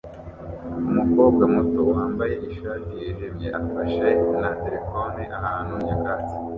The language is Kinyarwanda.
Umukobwa muto wambaye ishati yijimye afashe na terefone ahantu nyakatsi